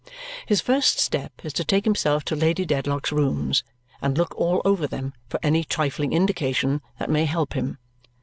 His first step is to take himself to Lady Dedlock's rooms and look all over them for any trifling indication that may help him.